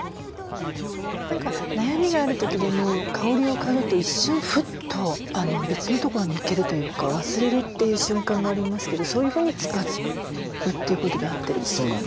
何か悩みがある時でも香りを嗅ぐと一瞬フッと別のところに行けるというか忘れるという瞬間がありますけどそういうふうに使うということで合ってるんですかね？